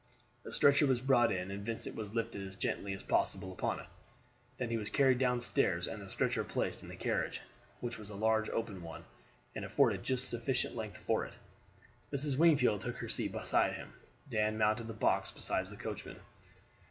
A stretcher was brought in, and Vincent was lifted as gently as possible upon it. Then he was carried down stairs and the stretcher placed in the carriage, which was a large open one, and afforded just sufficient length for it. Mrs. Wingfield took her seat beside him. Dan mounted the box beside the coachman.